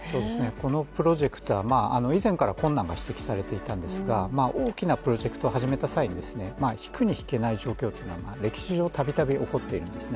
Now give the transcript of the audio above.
このプロジェクトは、以前から困難が指摘されていたんですが大きなプロジェクトを始めた際に引くに引けない状況というのは歴史上、たびたび起こっているんですね。